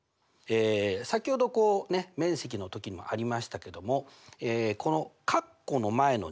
先ほど面積の時もありましたけどもこのかっこの前の２。